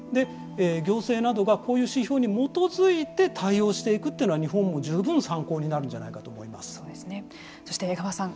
行政などがこういう指標に基づいて対応していくというのは日本も十分参考になるんじゃないそして、江川さん